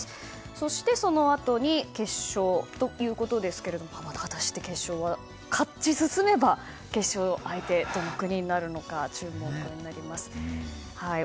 そして、そのあとに決勝ということですが果たして、勝ち進めば決勝の相手はどの国になるのか注目になります。